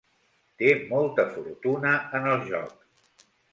Té molta fortuna en el joc.